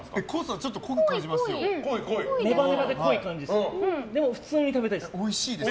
ちょっと濃い感じしますよ。